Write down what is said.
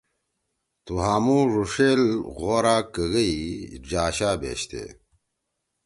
تُو ہامُو ڙُوشیل غورا کَگَئی جاشا بیشتے